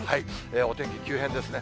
お天気急変ですね。